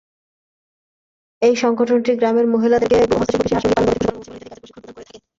এই সংগঠনটি গ্রামের মহিলাদেরকে হস্তশিল্প, কৃষি, হাঁস-মুরগী পালন, গবাদিপশু পালন, মৌমাছি পালন, ইত্যাদি কাজের প্রশিক্ষণ প্রদান করে থাকে।